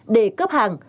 để cướp hàng